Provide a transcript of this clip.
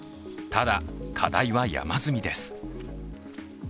ただ、課題は山積みです。